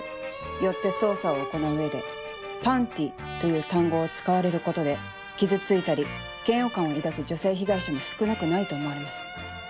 よって捜査を行う上で「パンティ」という単語を使われることで傷ついたり嫌悪感を抱く女性被害者も少なくないと思われます。